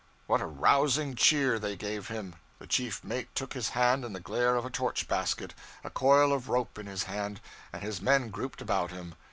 What a rousing cheer they gave him! The chief mate took his stand in the glare of a torch basket, a coil of rope in his hand, and his men grouped about him.